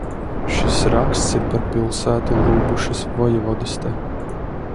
Šis raksts ir par pilsētu Lubušas vojevodistē.